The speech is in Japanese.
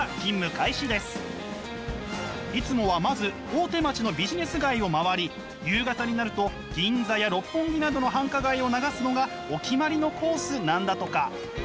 いつもはまず大手町のビジネス街を回り夕方になると銀座や六本木などの繁華街を流すのがお決まりのコースなんだとか。